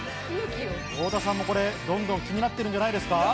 太田さんも、これ気になっているんじゃないですか？